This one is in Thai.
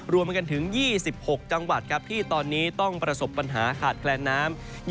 รวมกันถึง๒๖จังหวัดที่ตอนนี้ต้องประสบปัญหาขาดแคลนน้ำ